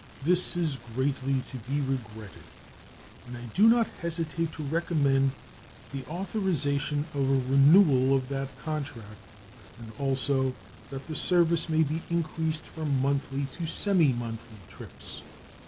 This is greatly to be regretted, and I do not hesitate to recommend the authorization of a renewal of that contract, and also that the service may be increased from monthly to semi monthly trips.